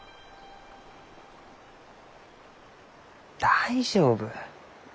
大丈夫。